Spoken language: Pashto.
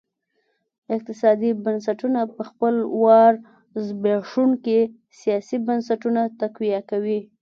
اقتصادي بنسټونه په خپل وار زبېښونکي سیاسي بنسټونه تقویه کوي.